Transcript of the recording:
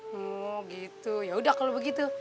oh gitu ya udah kalo begitu